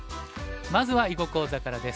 まずは囲碁講座からです。